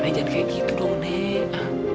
nenek jangan kayak gitu dong nek